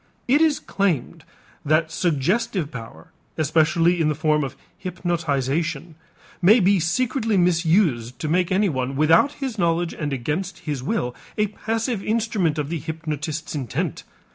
It is claimed that suggestive power, especially in the form of hypnotization, may be secretly misused to make anyone without his knowledge and against his will a passive instrument of the hypnotist's intent.